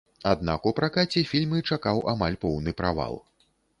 Аднак у пракаце фільмы чакаў амаль поўны правал.